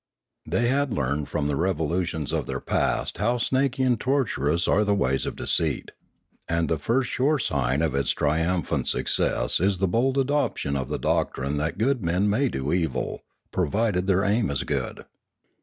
They bad learned from the revolutions of their past how snaky and tortuous are the ways of deceit; and the first sure sign of its triumphant success is the bold adoption of the doctrine that good men may do evil, provided their aim is good.